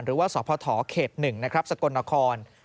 หรือว่าสพเขต๑นะครับสกลนคร